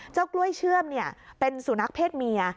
เจ้ากล้วยเชื่อมเนี่ยเป็นสุนัขเพศเมีย